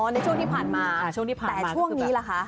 ในช่วงที่ผ่านมาแต่ช่วงนี้ล่ะคะ